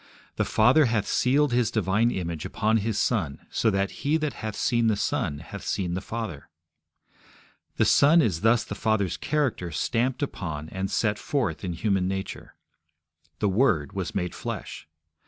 The Father hath sealed His divine image upon His Son, so that he that hath seen the Son hath seen the Father. The Son is thus the Father's character stamped upon and set forth in human nature. The Word was made flesh.